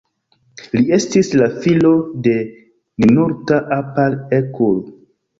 Li estis la filo de Ninurta-apal-ekur.